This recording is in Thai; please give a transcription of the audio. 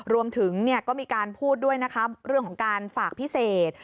รวมถึงก็มีการพูดด้วยนะครับเรื่องของการฝากพิเศษ